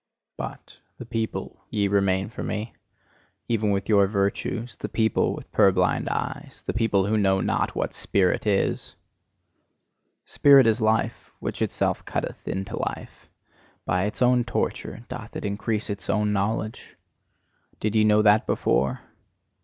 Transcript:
But the people ye remain for me, even with your virtues, the people with purblind eyes the people who know not what SPIRIT is! Spirit is life which itself cutteth into life: by its own torture doth it increase its own knowledge, did ye know that before?